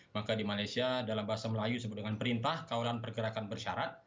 maka di malaysia dalam bahasa melayu disebut dengan perintah kawalan pergerakan bersyarat